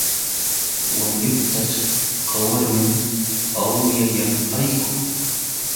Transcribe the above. Wañuqtaćh qawarun, awllayan allqu.